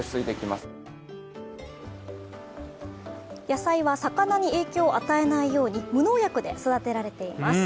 野菜は魚に影響を与えないように無農薬で育てられています。